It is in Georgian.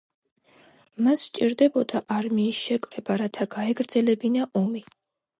მას სჭირდებოდა არმიის შეკრება, რათა გაეგრძელებინა ომი.